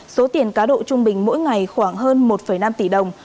số tiền cá độ trung bình mỗi ngày khoảng hơn một năm tỷ đồng